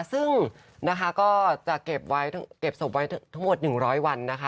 ซึ่งนะคะก็จะเก็บไว้เก็บศพไว้ทั้งหมด๑๐๐วันนะคะ